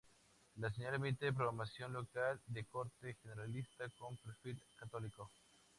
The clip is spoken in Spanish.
La señal emite programación local de corte generalista con perfil católico.